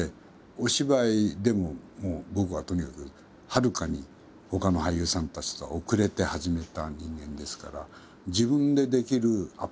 お芝居でももう僕はとにかくはるかにほかの俳優さんたちとは遅れて始めた人間ですから。